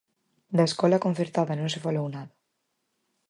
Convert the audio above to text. Da escola concertada non se falou nada.